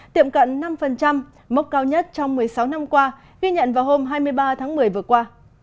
tiệm cận năm mốc cao nhất trong một mươi sáu năm qua ghi nhận vào hôm hai mươi ba tháng một mươi vừa qua